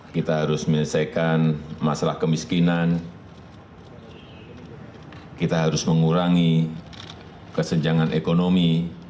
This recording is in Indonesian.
kita harus menyelesaikan masalah kemiskinan kita harus mengurangi kesenjangan ekonomi